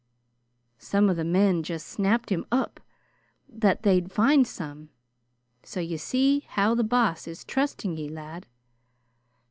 Some of the men just snapped him op that they'd find some. So you see bow the Boss is trustin' ye, lad."